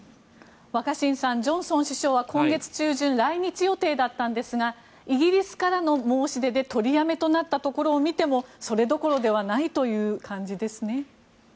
若新さんジョンソン首相は今月中旬来日予定だったんですがイギリスからの申し出で取りやめとなったところを見てもそれどころではないという感じですね。